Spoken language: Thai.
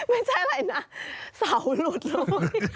ไม่ใช่อะไรนะเสาหลุดลง